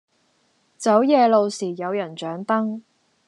走夜路時有人掌燈